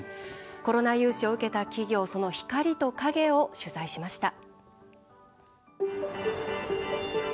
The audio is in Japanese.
コロナ融資を受けた企業その光と影を取材しました。